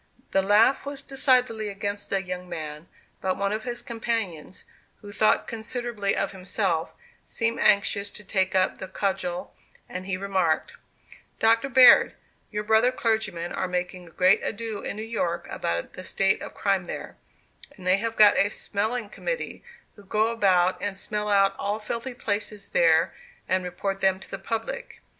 The laugh was decidedly against the young man; but one of his companions, who thought considerably of himself, seemed anxious to take up the cudgel, and he remarked: "Dr. Baird, your brother clergymen are making a great ado in New York about the state of crime there; and they have got a smelling committee, who go about and smell out all filthy places there, and report them to the public.